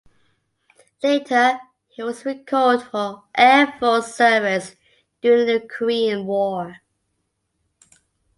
Later, he was recalled for Air Force service during the Korean War.